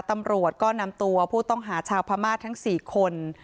ตำรวจก็นำตัวผู้ต้องหาชาวพม่าทั้ง๔คน